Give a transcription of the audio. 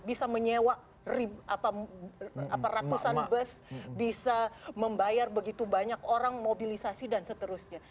bisa menyewa ratusan bus bisa membayar begitu banyak orang mobilisasi dan seterusnya